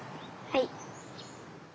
はい。